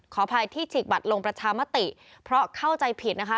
ขออภัยที่ฉีกบัตรลงประชามติเพราะเข้าใจผิดนะคะ